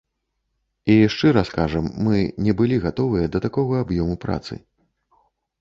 І, шчыра скажам, мы не былі гатовыя да такога аб'ёму працы.